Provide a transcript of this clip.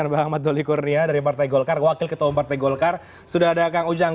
anda melihat dari safari politik partai golkar ini dari kacamatanya kang ujang